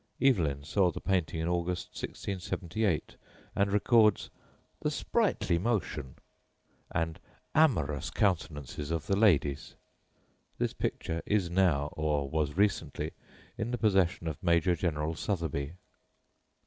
Evelyn saw the painting in August, 1678, and records "the sprightly motion" and "amorous countenances of the ladies." (This picture is now, or was recently, in the possession of Major General Sotheby.)